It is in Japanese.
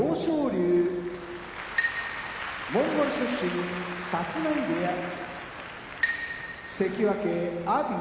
龍モンゴル出身立浪部屋関脇・阿炎